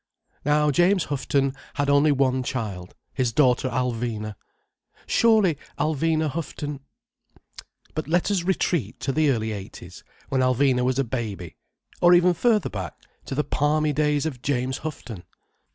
Now James Houghton had only one child: his daughter Alvina. Surely Alvina Houghton— But let us retreat to the early eighties, when Alvina was a baby: or even further back, to the palmy days of James Houghton.